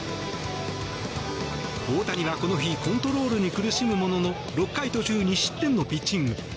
大谷はこの日コントロールに苦しむものの６回途中２失点のピッチング。